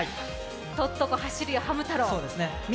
とっとこ走るよハム太郎。